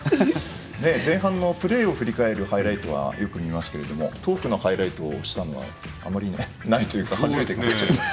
前半のプレーを振り返るハイライトは、よく見ますけどトークのハイライトをしたのはあまりないというか初めてかもしれないです。